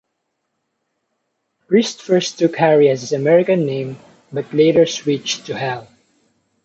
Prieste first took "Harry" as his American name, but later switched to "Hal.